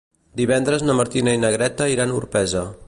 Divendres na Martina i na Greta iran a Orpesa.